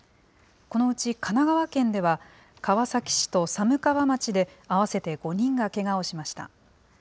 このうち神奈川県では、川崎市と寒川町で合わせて５人がけがをしました。